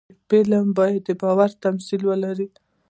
فلم باید باور وړ تمثیل ولري